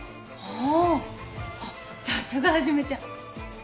あさすがはじめちゃん。